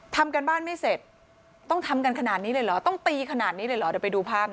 ทำการบ้านไม่เสร็จต้องทำกันขนาดนี้เลยเหรอต้องตีขนาดนี้เลยเหรอเดี๋ยวไปดูภาพ